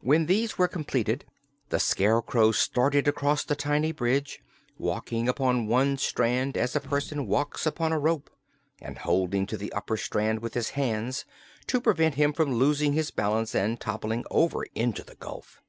When these were completed the Scarecrow started across the tiny bridge, walking upon one strand as a person walks upon a rope, and holding to the upper strand with his hands to prevent him from losing his balance and toppling over into the gulf.